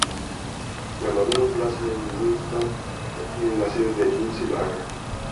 La Maduro Plaza en Willemstad tiene la sede de Insel Air.